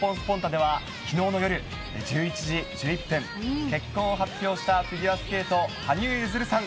ではきのうの夜１１時１１分、結婚を発表したフィギュアスケート、羽生結弦さん。